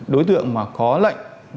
đối tượng mà có lệnh